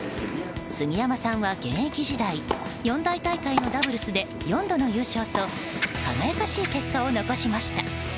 杉山さんは現役時代四大大会のダブルスで４度の優勝と輝かしい結果を残しました。